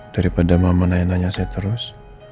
daripada mama nanya nanya saya terus